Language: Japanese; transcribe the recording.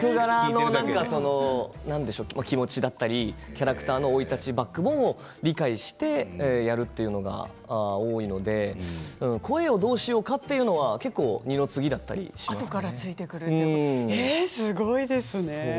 気持ちだったりキャラクター、生い立ちやバッグボーンを理解しているというのがありますから声はどうしようかというのは二の次だったりしてますね。